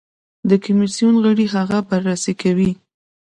د کمېسیون غړي هغه بررسي کوي.